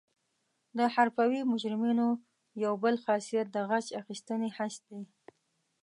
د حرفوي مجرمینو یو بل خاصیت د غچ اخیستنې حس دی